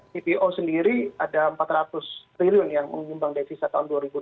cpo sendiri ada empat ratus triliun yang menyumbang devisa tahun dua ribu dua puluh